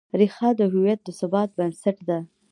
ریښه د هویت د ثبات بنسټ ده.